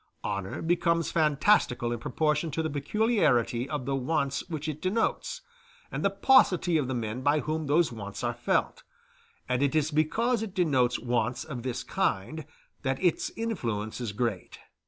Honor becomes fantastical in proportion to the peculiarity of the wants which it denotes, and the paucity of the men by whom those wants are felt; and it is because it denotes wants of this kind that its influence is great.